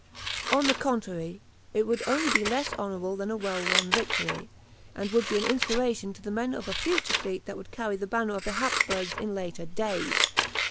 On the contrary, it would only be less honourable than a well won victory, and would be an inspiration to the men of a future fleet that would carry the banner of the Hapsburgs in later days.